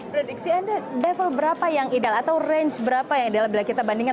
prediksi anda level berapa yang ideal atau range berapa yang ideal bila kita bandingkan